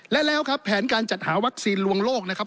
และแล้วครับแผนการจัดหาวัคซีนลวงโลกนะครับ